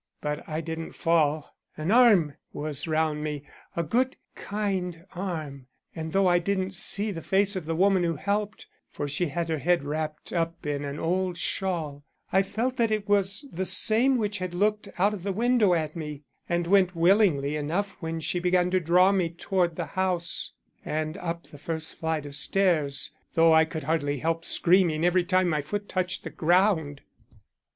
But I didn't fall; an arm was round me, a good, kind arm, and though I didn't see the face of the woman who helped, for she had her head wrapped up in an old shawl, I felt that it was the same which had looked out of the window at me, and went willingly enough when she began to draw me toward the house and up the first flight of stairs, though I could hardly help screaming every time my foot touched the ground.